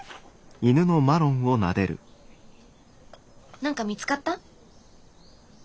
なんか見つかった？